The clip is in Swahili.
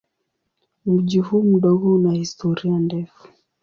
Mji huu mdogo una historia ndefu.